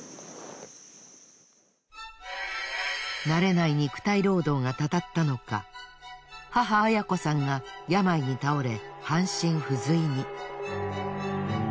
慣れない肉体労働がたたったのか母あやこさんが病に倒れ半身不随に。